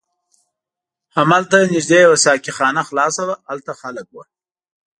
هملته نږدې یوه ساقي خانه خلاصه وه، هلته خلک و.